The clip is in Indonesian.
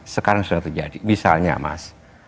sekarang sudah terjadi misalnya mas